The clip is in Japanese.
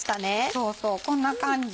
そうそうこんな感じ。